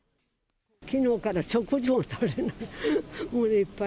きのうから食事もとれない。